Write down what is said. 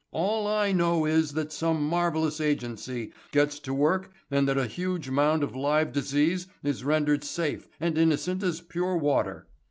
All I know is that some marvellous agency gets to work and that a huge mound of live disease is rendered safe and innocent as pure water.